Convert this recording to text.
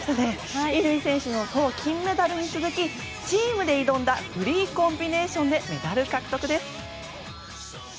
乾選手の金メダルに続きチームで挑んだフリーコンビネーションでメダル獲得です。